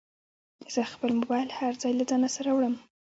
زه خپل موبایل هر ځای له ځانه سره وړم.